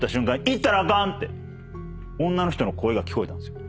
「行ったらあかん！」って女の人の声が聞こえたんすよ。